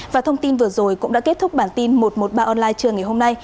và thông tin vừa rồi cũng đã kết thúc bản tin một trăm một mươi ba online trưa ngày hôm nay